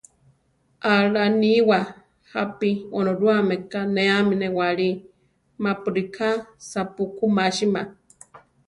Aʼl aníwa jápi Onorúame kanéami newáli, mapu ríka sapú ku másima.